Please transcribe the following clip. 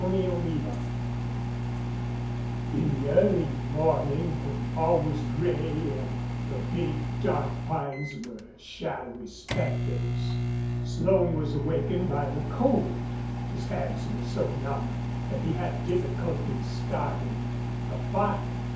CHAPTER V In the early morning when all was gray and the big, dark pines were shadowy specters, Slone was awakened by the cold. His hands were so numb that he had difficulty starting a fire.